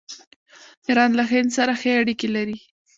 ایران له هند سره ښه اړیکې لري.